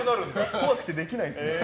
怖くてできないですね。